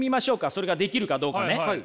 それができるかどうかね。